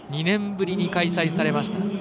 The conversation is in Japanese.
２年ぶりに開催されました。